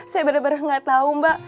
saya bener bener gak tau mbak